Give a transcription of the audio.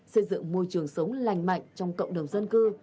xây dựng môi trường sống lành mạnh trong cộng đồng dân cư